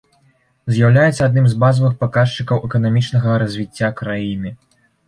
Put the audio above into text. З'яўляецца адным з базавых паказчыкаў эканамічнага развіцця краіны.